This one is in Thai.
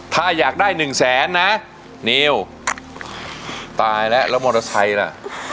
ถ้าอยากได้หนึ่งแสนนะนิวตายแล้วแล้วมอเตอร์ไซค์ล่ะ